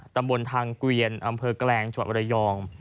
ตำบลทางเกวียนอำเภอกลางจบริยองก์